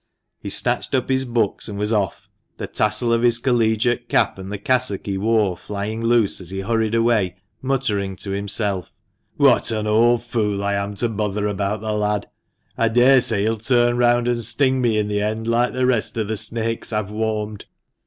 He snatched up his books and was off, the tassel of his collegiate cap and the cassock he wore flying loose as he hurried away muttering to himself —" What an old fool I am to bother about the lad ! I daresay he'll turn round and sting me in the end, like the rest of the snakes I have warmed.